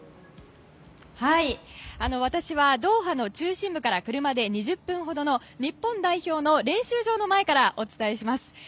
私は、ドーハの中心部から車で２０分ほどの日本代表の練習場の前からお伝えします。